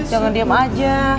jangan diam aja